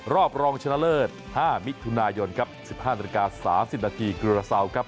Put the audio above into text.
รอบรองชนะเลิศ๕มิถุนายนครับ๑๕นาฬิกา๓๐นาทีเกลือเซาครับ